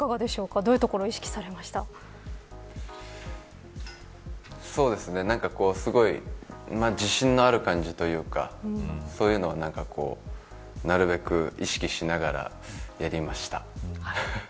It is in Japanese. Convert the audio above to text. どういうところをすごい自信のある感じというかそういうのをなるべく意識しながらやりました。